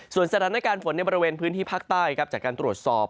ส่วนสถานการณ์ฝนในบริเวณพื้นที่ภาคใต้ครับจากการตรวจสอบ